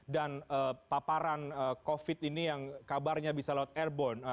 dan paparan covid ini yang kabarnya bisa lewat airboard